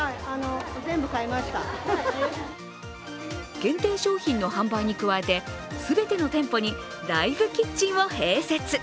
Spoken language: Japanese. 限定商品の販売に加えて全ての店舗にライブキッチンを併設。